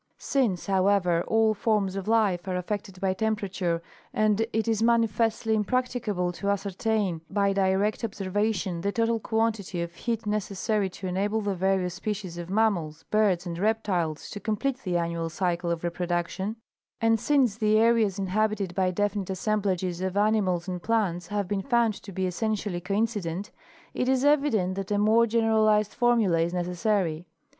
Since, however, all forms of life are affected by temperature and it is manifestly impracticable to ascertain by direct observation the total quantity of heat necessary to enable the various species of mammals, birds and reptiles to complete the annual cycle of reproduction, and since the areas inhabited by definite assem blages of animals and plants have been found to be essentially coincident, it is evident that a more generalized formula is neces sary.